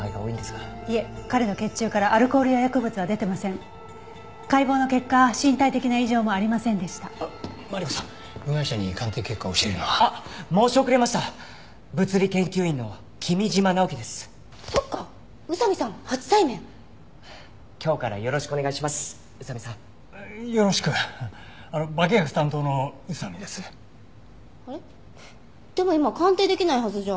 でも今鑑定できないはずじゃ？